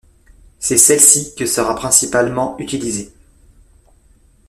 C'est celle-ci qui sera principalement utilisée.